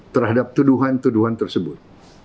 terhadap tuduhan tuduhan tersebut